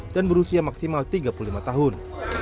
dan berusia maksimal tiga puluh lima tahun